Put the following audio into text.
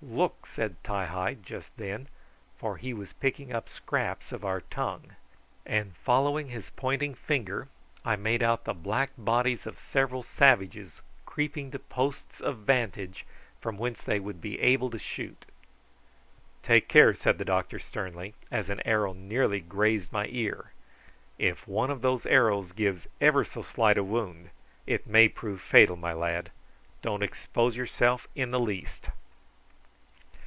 "Look," said Ti hi just then, for he was picking up scraps of our tongue; and following his pointing finger I made out the black bodies of several savages creeping to posts of vantage from whence they would be able to shoot. "Take care," said the doctor sternly, as an arrow nearly grazed my ear. "If one of those arrows gives ever so slight a wound it may prove fatal, my lad; don't expose yourself in the least.